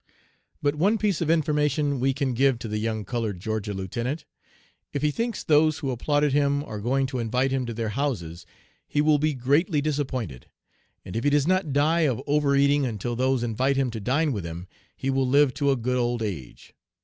But one piece of information we can give to the young colored Georgia lieutenant. If he thinks those who applauded him are going to invite him to their houses he will be greatly disappointed. And if he does not die of overeating until those invite him to dine with them, he will live to a good old age.